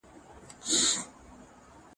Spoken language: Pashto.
د کار اهل ته د کار سپارل د بريا راز دی.